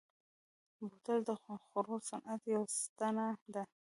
بوتل د خوړو صنعت یوه ستنه ده.